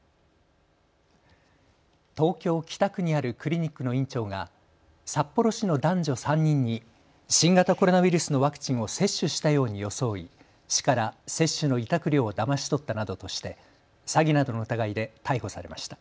東京北区にあるクリニックの院長が札幌市の男女３人に新型コロナウイルスのワクチンを接種したように装い市から接種の委託料をだまし取ったなどとして詐欺などの疑いで逮捕されました。